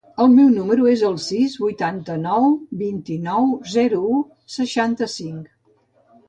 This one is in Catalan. El meu número es el sis, vuitanta-nou, vint-i-nou, zero, u, seixanta-cinc.